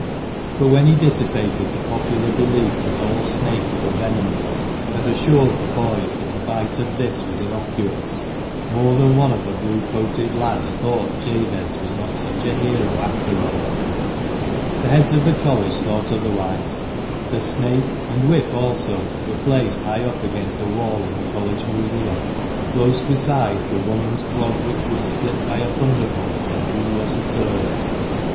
But when he dissipated the popular belief that all snakes were venomous, and assured the boys that the bite of this was innocuous, more than one of the Blue coated lads thought Jabez was not such a hero after all. The heads of the College thought otherwise. The snake, and whip also, were placed high up against a wall in the College museum, close beside the " woman's clog which was split by a thunderbolt, and hoo wasn't hurt."